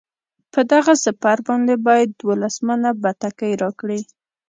په دغه سپر باندې باید دولس منه بتکۍ راکړي.